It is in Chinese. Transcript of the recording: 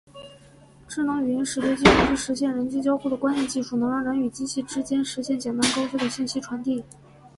智能语音识别技术是实现人机交互的关键技术，能让人与机器之间实现简单高效的信息传递。